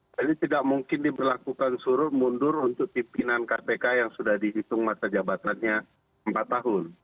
jadi tidak mungkin diberlakukan surut mundur untuk pimpinan kpk yang sudah dihitung masa jabatannya empat tahun